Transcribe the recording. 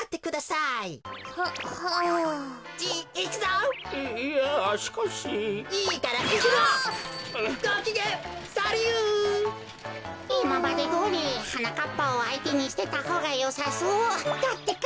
いままでどおりはなかっぱをあいてにしてたほうがよさそうだってか。